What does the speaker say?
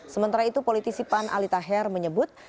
sementara itu politisi pan alita her menyebut